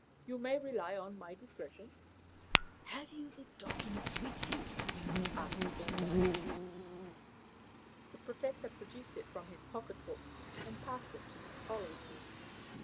You may rely on my discretion." "Have you the document with you?" asked Thorndyke. The Professor produced it from his pocket book, and passed it to my colleague.